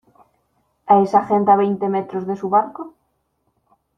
a esa gente a veinte metros de su barco?